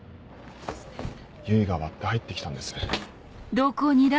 唯が割って入ってきたんです。